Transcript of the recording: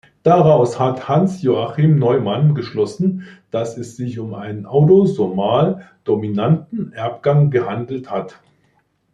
Daraus hat Hans-Joachim Neumann geschlossen, dass es sich um einen autosomal-dominanten Erbgang gehandelt hat.